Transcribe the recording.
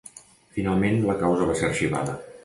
Finalment, la causa va ser arxivada.